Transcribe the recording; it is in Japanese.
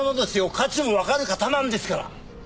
価値のわかる方なんですから。